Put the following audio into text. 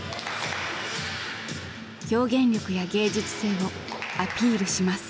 表現力や芸術性をアピールします。